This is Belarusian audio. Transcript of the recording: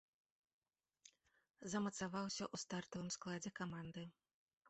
Замацаваўся ў стартавым складзе каманды.